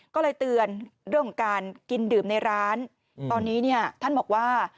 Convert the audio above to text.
ก็เลยเตือนเรื่องของการกินดื่มในร้านตอนนี้เนี่ยท่านบอกว่า